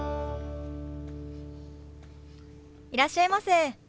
いらっしゃいませ。